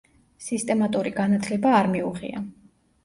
სისტემატური განათლება არ მიუღია.